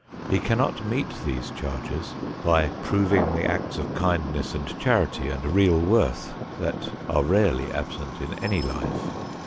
He cannot meet these charges by proving the acts of kindness and charity and real worth that are rarely absent in any life.